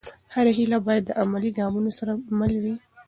هره هېله باید د عملي ګامونو سره مل وي.